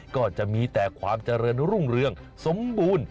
ก็จะมีแต่ความเจริญรุ่งเรืองสมบูรณ์